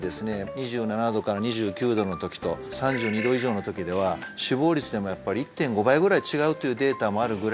２７度から２９度の時と３２度以上の時では死亡率でもやっぱり１．５倍ぐらい違うというデータもあるぐらい